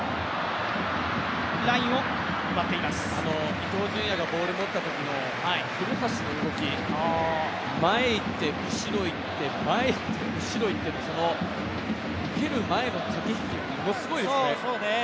伊東純也がボールを持ったときの古橋の動き、前へいって、後ろへいって、前へいって、後ろへいって、受ける前の駆け引きものすごいですね。